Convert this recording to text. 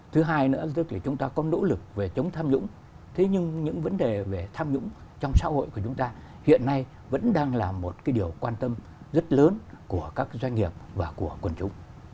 thứ hai nữa là chúng ta có nỗ lực về chống tham dũng thế nhưng những vấn đề về tham dũng trong xã hội của chúng ta hiện nay vẫn đang là một điều quan tâm rất lớn của các doanh nghiệp và của quân chủ